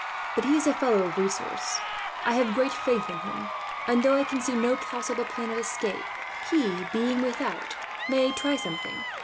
But he is a fellow of resource. I have great faith in him and, though I can see no possible plan of escape, he, being without, may try something.